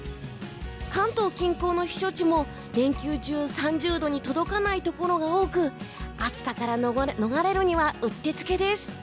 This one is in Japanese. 関東近郊の避暑地も連休中３０度に届かないところが多く暑さから逃れるにはうってつけです。